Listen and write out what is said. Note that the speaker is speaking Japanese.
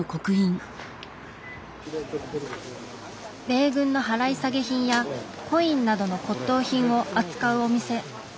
米軍の払い下げ品やコインなどの骨董品を扱うお店。